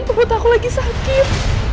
perut aku lagi sakit